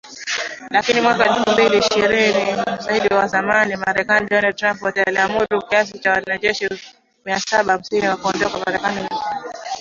Lakini mwaka elfu mbili ishirini Rais wa zamani Marekani Donald Trump aliamuru kiasi cha wanajeshi mia saba hamsini wa Marekani nchini Somalia kuondoka